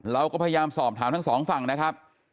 เราก็พยายามสอบถามทั้งสองฝั่งนะครับ